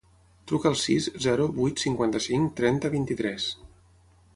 Truca al sis, zero, vuit, cinquanta-cinc, trenta, vint-i-tres.